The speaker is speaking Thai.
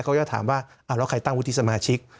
เขาจะถามว่าแล้วใครตั้งวุฒิสมาชิก